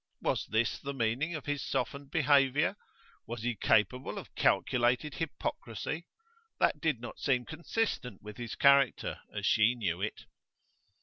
Was this the meaning of his softened behaviour? Was he capable of calculated hypocrisy? That did not seem consistent with his character, as she knew it.